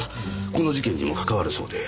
この事件にも関わるそうで。